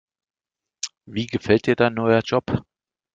Wie gefällt dir dein neuer Job?